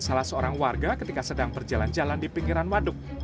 salah seorang warga ketika sedang berjalan jalan di pinggiran waduk